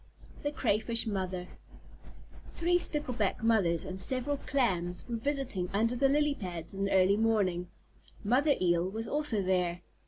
THE CRAYFISH MOTHER Three Stickleback Mothers and several Clams were visiting under the lily pads in the early morning. Mother Eel was also there.